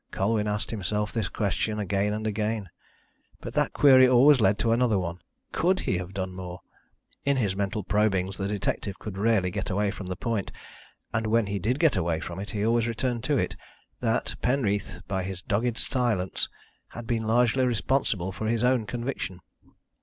Colwyn asked himself this question again and again. But that query always led to another one Could he have done more? In his mental probings the detective could rarely get away from the point and when he did get away from it he always returned to it that Penreath, by his dogged silence, had been largely responsible for his own conviction.